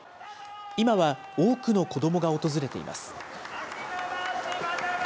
今は多くの子どもが訪れています。